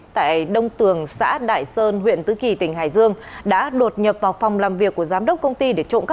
tại đông tường xã đại sơn huyện tứ kỳ tỉnh hải dương đã đột nhập vào phòng làm việc của giám đốc công ty